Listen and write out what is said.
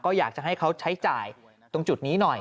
ก็อยากจะให้เขาใช้จ่ายตรงจุดนี้หน่อย